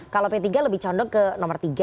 kalau p tiga lebih condong ke nomor tiga